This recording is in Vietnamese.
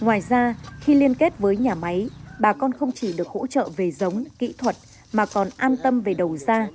ngoài ra khi liên kết với nhà máy bà con không chỉ được hỗ trợ về giống kỹ thuật mà còn an tâm về đầu ra